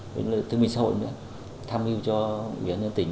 với thương minh xã hội nữa tham hiu cho huyện nhân tỉnh